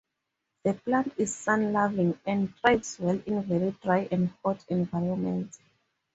The plant is sun-loving, and thrives well in very dry and hot environments.